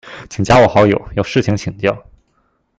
請加我好友，有事情請教